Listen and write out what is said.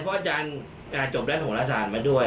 เพราะอาจารย์จบรัฐโหลศาลมาด้วย